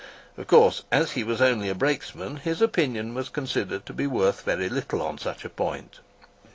Of course, as he was only a brakesman, his opinion was considered to be worth very little on such a point.